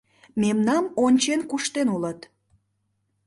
Мемнам ончен-куштен улыт